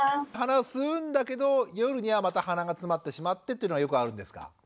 鼻吸うんだけど夜にはまた鼻がつまってしまってというのはよくあるんですか？